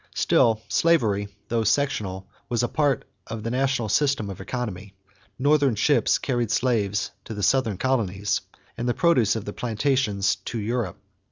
Still, slavery, though sectional, was a part of the national system of economy. Northern ships carried slaves to the Southern colonies and the produce of the plantations to Europe.